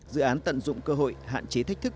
dự án tận dụng cơ hội hạn chế thách thức